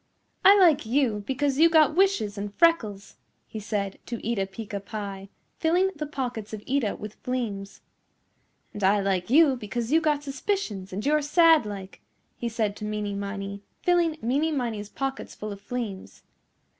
"I like you because you got wishes and freckles," he said to Eeta Peeca Pie, filling the pockets of Eeta with fleems. "And I like you because you got suspicions and you're sad like," he said to Meeney Miney filling Meeney Miney's pockets full of fleems.